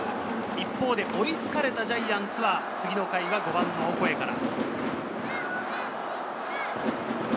一方で追いつかれたジャイアンツは、次の回は５番のオコエから。